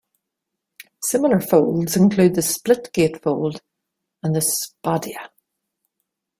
Similar folds include the "split gatefold" and the spadea.